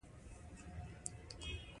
سوړ اسويلی يې ويست.